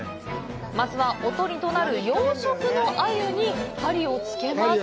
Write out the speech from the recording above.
まずは、おとりとなる養殖のアユに針をつけます。